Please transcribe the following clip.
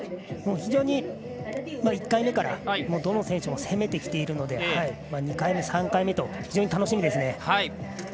非常に１回目からどの選手も攻めてきているので２回目、３回目と非常に楽しみですね。